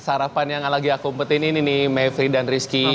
sarapan yang lagi aku pempetin ini nih mayfrey dan rizky